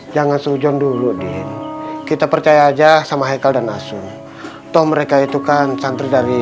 jangan seujon dulu din kita percaya aja sama haikal dan asu toh mereka itu kan santri dari